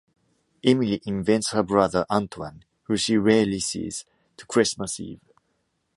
Émilie invites her brother Antoine who she rarely sees, to Christmas eve.